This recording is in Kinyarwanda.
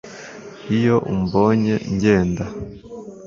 iyo umbonye ngenda